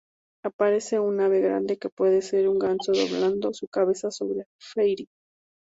Aparece un ave grande que puede ser un ganso doblando su cabeza sobre Freyr.